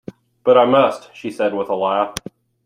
"But I must," she said with a laugh.